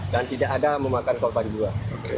dan tidak ada memakan kolpani dua